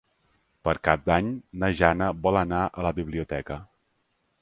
Per Cap d'Any na Jana vol anar a la biblioteca.